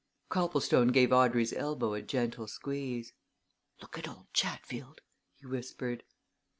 _" Copplestone gave Audrey's elbow a gentle squeeze. "Look at old Chatfield!" he whispered.